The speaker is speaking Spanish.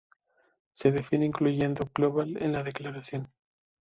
Se define incluyendo __global__ en la declaración.